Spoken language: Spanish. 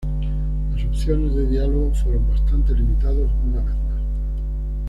Las opciones de diálogo fueron bastante limitados una vez más.